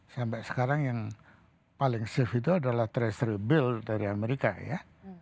sampai sekarang yang paling shift itu adalah treasury bill dari amerika ya